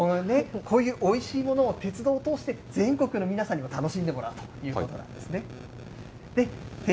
これね、こういうおいしいものを鉄道を通して全国の皆さんにも楽しんでもらうということなんですね。